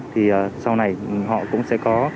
thì sau này họ cũng sẽ có